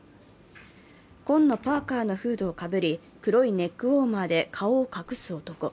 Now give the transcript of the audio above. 紺のパーカーのフードをかぶり、黒いネックウォーマーで顔を隠す男。